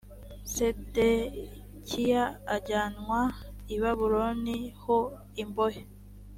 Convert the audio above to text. sedekiya ajyanwa i babuloni ho imbohe